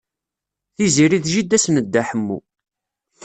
Tiziri d jida-s n Dda Ḥemmu.